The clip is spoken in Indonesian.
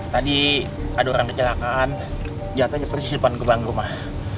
tadi ada orang kecelakaan jatuh aja persis depan kebang rumah